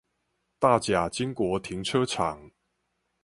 大甲經國停車場